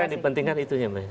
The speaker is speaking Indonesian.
saya kira yang penting itu ya